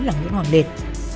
là nguyễn hoàng liệt